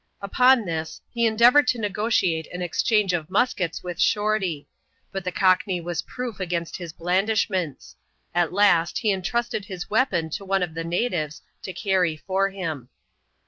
Upon this, he endeavoured to negotiate an exchange of muskets with Shorty ; but the Cockney was proof against his blandishments ; at last he intrusted his weapon to one of the natives to carry for him.